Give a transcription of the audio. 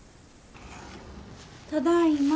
ただいま。